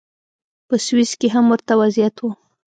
په سویس کې هم ورته وضعیت و.